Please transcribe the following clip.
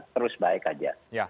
terus baik aja